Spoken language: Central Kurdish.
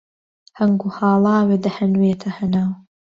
هەنگ و هاڵاوێ دەهەنوێتە هەناو